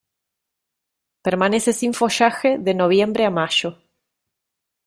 Permanece sin follaje de noviembre a mayo.